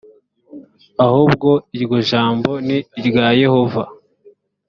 ahubwo iryo jambo ni irya yehova